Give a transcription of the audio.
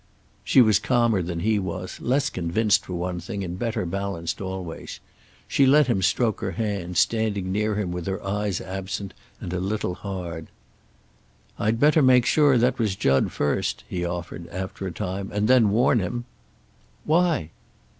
She was calmer than he was, less convinced for one thing, and better balanced always. She let him stroke her hand, standing near him with her eyes absent and a little hard. "I'd better make sure that was Jud first," he offered, after a time, "and then warn him." "Why?"